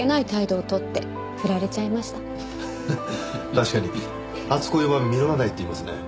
確かに初恋は実らないって言いますね。